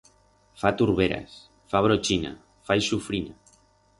Fa turberas, fa brochina, fa ixufrina.